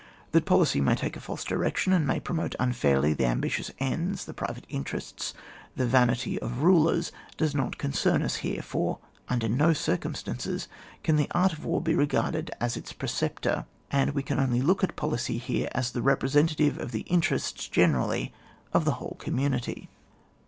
That policy may take a false direction, and may promote unfairly the ambitious ends, the private interests, the vanity of rulers, does not concern us here; for, imder no circumstances can the art of war be regarded as its preceptor, and we can only look at policy here as the representative of the inter^ts generally of the whole community.